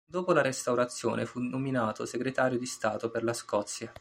Dopo la restaurazione fu nominato segretario di stato per la Scozia.